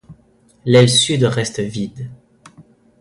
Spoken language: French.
L'aile Sud reste vide.